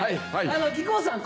木久扇さん